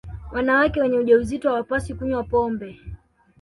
wanawake wenye ujauzito hawapaswi kunywa pombe